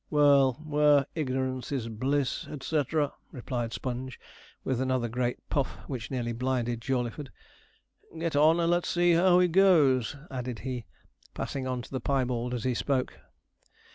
'Well, where "ignorance is bliss," &c.,' replied Sponge, with another great puff, which nearly blinded Jawleyford. 'Get on, and let's see how he goes,' added he, passing on to the piebald as he spoke.